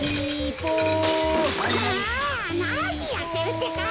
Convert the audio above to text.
ああっなにやってるってか！